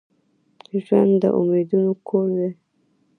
ژوند د امیدونو کور دي.